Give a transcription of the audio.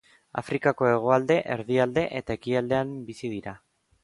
Afrikako hegoalde, erdialde eta ekialdean bizi dira.